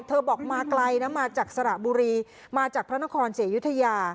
บอกมาไกลนะมาจากสระบุรีมาจากพระนครศรีอยุธยา